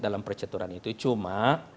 dalam percaturan itu cuma